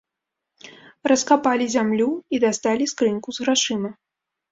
Раскапалі зямлю і дасталі скрынку з грашыма.